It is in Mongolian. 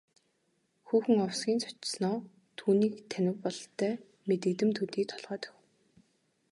Хүүхэн овсхийн цочсоноо түүнийг танив бололтой мэдэгдэм төдий толгой дохив.